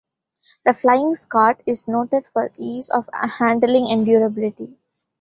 The Flying Scot is noted for ease of handling and durability.